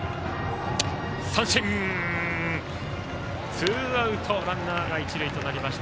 ツーアウト、ランナーが一塁となりました。